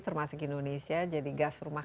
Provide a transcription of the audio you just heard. termasuk indonesia jadi gas rumah